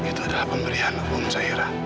itu adalah pemberian umum zaira